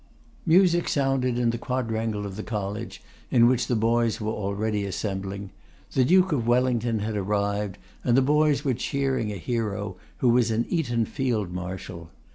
Music sounded in the quadrangle of the College, in which the boys were already quickly assembling. The Duke of Wellington had arrived, and the boys were cheering a hero, who was an Eton field marshal.